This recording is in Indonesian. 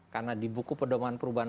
karena di buku perdomaan perubahan